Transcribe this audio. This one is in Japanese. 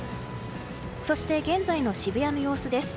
そして、現在の渋谷の様子です。